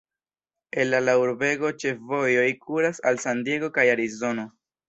Ela la urbego ĉefvojoj kuras al San Diego kaj Arizono.